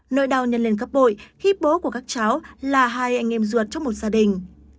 nỗi đau nhân lên gấp bội khi bố của các cháu là hai anh em ruột trong một gia đình